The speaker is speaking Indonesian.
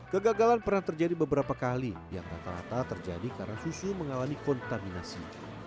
kegagalan pernah terjadi beberapa kali yang rata rata terjadi karena susu mengalami kontaminasi